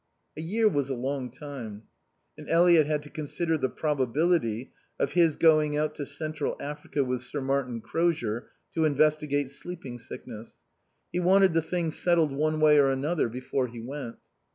A year was a long time, and Eliot had to consider the probability of his going out to Central Africa with Sir Martin Crozier to investigate sleeping sickness. He wanted the thing settled one way or another before he went.